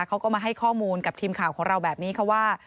เขาก็มาให้ข้อมูลกับทีมข่าวของเราแบบนี้ค่ะว่า